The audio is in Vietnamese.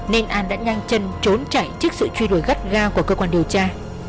nên an đã nhanh chân trốn chạy trước sự truy đuổi gắt ga của cơ quan điều tra